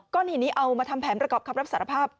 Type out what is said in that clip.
ก้อนหินนี้เอามาทำแผนระกอบขับรับสารภาพ